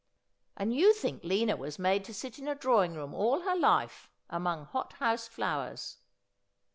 ' And you think Lina was made to sit in a drawing room all her life, among hot house flowers.